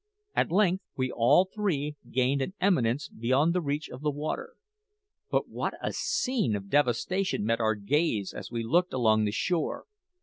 At length we all three gained an eminence beyond the reach of the water. But what a scene of devastation met our gaze as we looked along the shore!